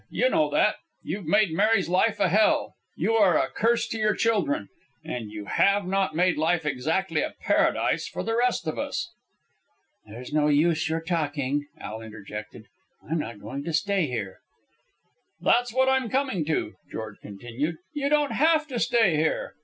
"You know that. You've made Mary's life a hell. You are a curse to your children. And you have not made life exactly a paradise for the rest of us." "There's no use your talking," Al interjected. "I'm not going to stay here." "That's what I'm coming to," George continued. "You don't have to stay here."